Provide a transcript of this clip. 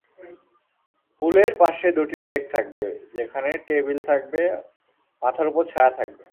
পুলের পাশে দুটি ডেক থাকবে, যেখানে টেবিল থাকবে, মাথার ওপর ছায়া থাকবে।